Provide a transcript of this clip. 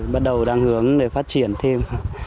bắt đầu đang hướng để phát triển thêm